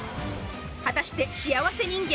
果たして幸せ人間？